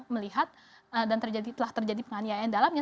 melihat dan telah terjadi penganiayaan dalamnya